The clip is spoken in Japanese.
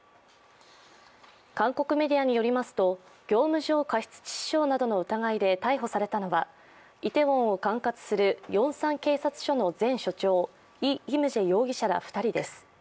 韓国メディアによりますと業務上過失致死傷などの疑いで逮捕されたのはイテウォンを管轄するヨンサン警察署の前署長、イ・イムジェ容疑者ら２人です。